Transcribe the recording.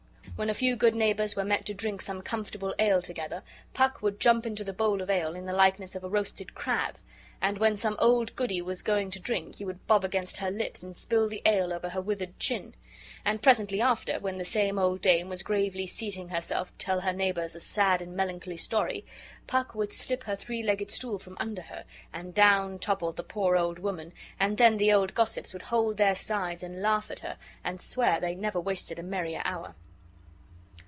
When a few good neighbors were met to drink some comfortable ale together, Puck would jump into the bowl of ale in the likeness of a roasted crab, and when some old goody was going to drink he would bob against her lips, and spill the ale over her withered chin; and presently after, when the same old dame was gravely seating herself to tell her neighbors a sad and melancholy story, Puck would slip her three legged stool from under her, and down toppled the poor old woman, and then the old gossips would hold their sides and laugh at her, and swear they never wasted a merrier hour.